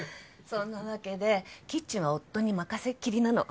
そんなわけでキッチンは夫に任せっきりなの。